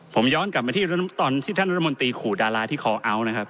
ผมย้อนกลับมาที่ตอนที่ท่านรัฐมนตรีขู่ดาราที่คอเอาท์นะครับ